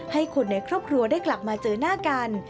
ให้คนในครอบครัวได้กลับมาเจอหน้ากัน